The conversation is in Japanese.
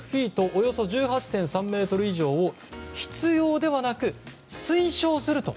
およそ１８．３ｍ以上を必要ではなく推奨すると。